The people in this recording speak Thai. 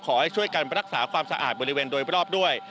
ขอให้ช่วยกันรักษาความสะอาดบริเวณโดยรอบด้วย